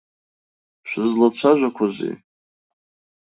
Шәызлацәажәақәозеи?